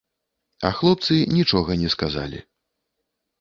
А хлопцы нічога не сказалі.